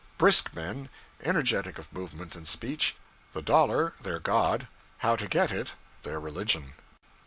Brisk men, energetic of movement and speech; the dollar their god, how to get it their religion.